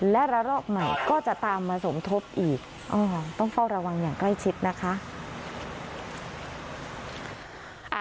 และระลอกใหม่ก็จะตามมาสมทบอีกต้องเฝ้าระวังอย่างใกล้ชิดนะคะ